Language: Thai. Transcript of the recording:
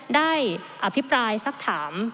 อภิปรายสักถาม